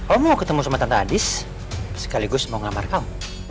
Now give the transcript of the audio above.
oh mau ketemu sama tante adis sekaligus mau ngelamar kamu